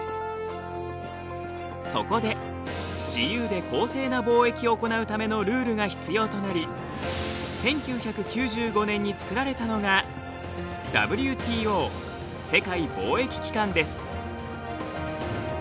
そこで自由で公正な貿易を行うためのルールが必要となり１９９５年に作られたのがＷＴＯ世界貿易機関です。